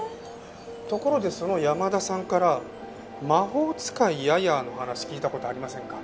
ところでその山田さんから『魔法使いヤヤー』の話聞いた事ありませんか？